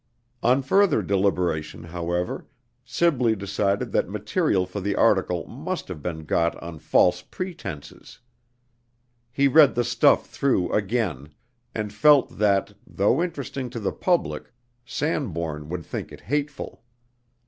On further deliberation, however, Sibley decided that material for the article must have been got on false pretenses. He read the "stuff" through again, and felt that, though interesting to the public, Sanbourne would think it hateful.